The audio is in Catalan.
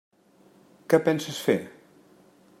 Què penses fer?